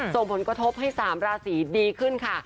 ส่งผลกระทบให้๓ราศีดีขึ้นค่ะ